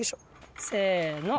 せの。